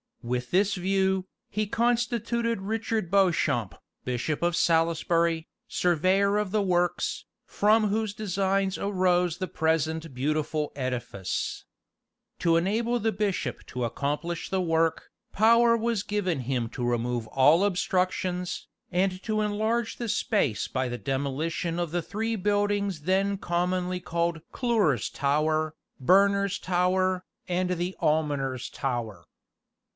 With this view, he constituted Richard Beauchamp, Bishop of Salisbury, surveyor of the works, from whose designs arose the present beautiful edifice. To enable the bishop to accomplish the work, power was given him to remove all obstructions, and to enlarge the space by the demolition of the three buildings then commonly called Clure's Tower, Berner's Tower, and the Almoner's Tower.